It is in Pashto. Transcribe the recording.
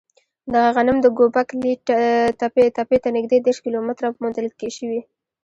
دغه غنم د ګوبک لي تپې ته نږدې دېرش کیلو متره کې موندل شوی.